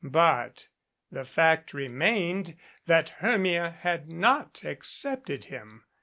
But the fact remained that Hermia had not accepted him.